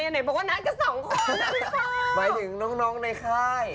หมายถึงน้องในค่าย